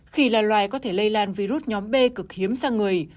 khỉ là loài có thể lây lan virus nhóm b cực hiếm sang người